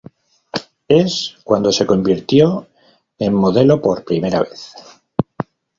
Es, cuando se convirtió en modelo por primera vez.